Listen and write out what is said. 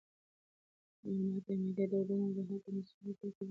نعناع د معدې د دردونو او د هضم د ستونزو لپاره طبیعي درمل دي.